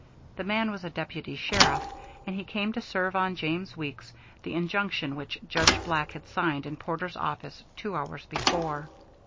The man was a deputy sheriff, and he came to serve on James Weeks the injunction which Judge Black had signed in Porter's office two hours before.